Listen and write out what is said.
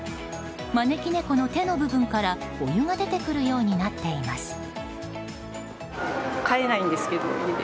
招き猫の手の部分からお湯が出てくるようになっています。